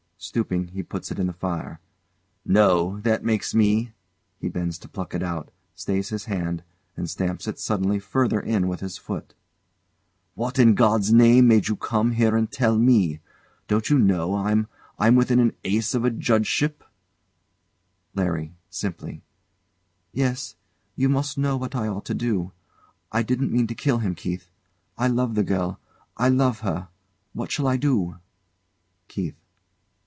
[Stooping, he puts it in the fire] No! that makes me [He bends to pluck it out, stays his hand, and stamps it suddenly further in with his foot] What in God's name made you come here and tell me? Don't you know I'm I'm within an ace of a Judgeship? LARRY. [Simply] Yes. You must know what I ought to do. I didn't, mean to kill him, Keith. I love the girl I love her. What shall I do? KEITH.